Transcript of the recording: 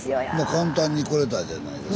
簡単に来れたじゃないですか。